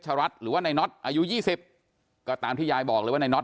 รัฐหรือว่าในน็อตอายุยี่สิบก็ตามที่ยายบอกเลยว่าในน็อ